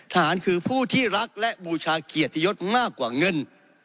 ฐานคือผู้ที่รักและบูชาเกียรติยศมากกว่าเงิน